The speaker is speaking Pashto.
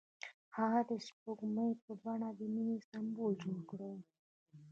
هغه د سپوږمۍ په بڼه د مینې سمبول جوړ کړ.